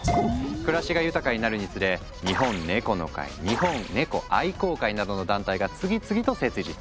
暮らしが豊かになるにつれ「日本ネコの会」「日本猫愛好会」などの団体が次々と設立。